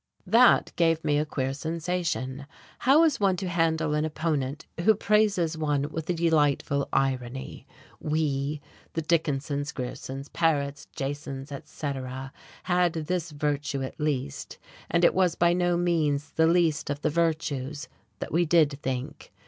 That gave me a queer sensation. How is one to handle an opponent who praises one with a delightful irony? We, the Dickinsons, Griersons, Parets, Jasons, etc., had this virtue at least, and it was by no means the least of the virtues, that we did think.